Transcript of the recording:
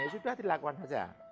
itu sudah dilakukan saja